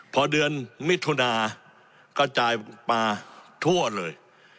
พอเดือนมิถุนาก็จ่ายปลาทั่วเลย